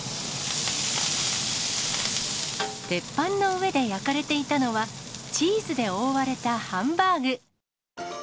鉄板の上で焼かれていたのは、チーズで覆われたハンバーグ。